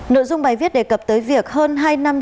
nội dung bài viết đề cập tới việc hơn hai năm